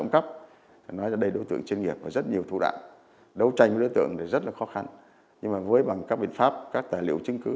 các tài liệu chứng cứ